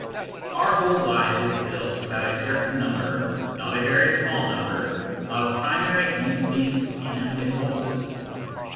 Our whole life is built about a certain number not a very small number of primary instincts and impulses.